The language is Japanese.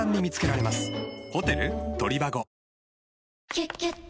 「キュキュット」